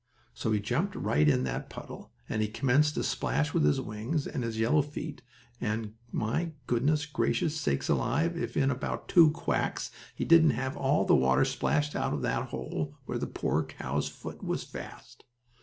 So he jumped right in that puddle, and he commenced to splash with his wings and his yellow feet, and my goodness gracious sakes alive! if in about two quacks he didn't have all the water splashed out of that hole where the poor cow's foot was fast.